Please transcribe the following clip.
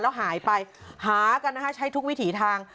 แล้วหายไปหากันนะคะใช้ทุกวิถีทาง